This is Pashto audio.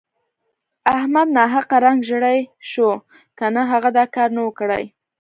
احمد ناحقه رنګ ژړی شو که نه هغه دا کار نه وو کړی.